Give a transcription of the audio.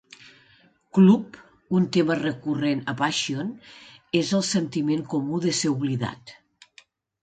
Club, un tema recurrent a "Passion" és "el sentiment comú de ser oblidat".